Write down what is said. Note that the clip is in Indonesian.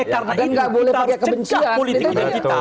kita harus cegah politik identitas